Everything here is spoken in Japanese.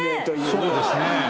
そうですね。